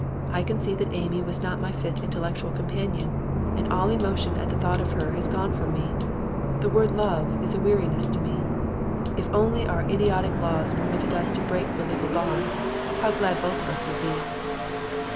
I can see that Amy was not my fit intellectual companion, and all emotion at the thought of her has gone from me. The word "love" is a weariness to me. If only our idiotic laws permitted us to break the legal bond, how glad both of us would be!